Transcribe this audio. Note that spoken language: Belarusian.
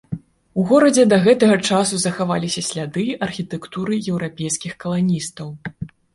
У горадзе да гэтага часу захаваліся сляды архітэктуры еўрапейскіх каланістаў.